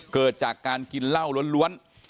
เกิดจากการกินเหล้าล้วน